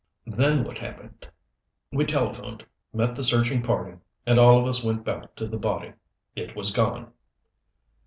"Then what happened?" "We telephoned, met the searching party, and all of us went back to the body. It was gone."